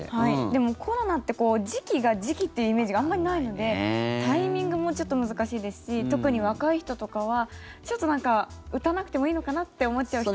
でもコロナって時期が時期ってイメージがあまりないので、タイミングもちょっと難しいですし特に若い人とかはちょっとなんか打たなくてもいいのかなって思っちゃう人も。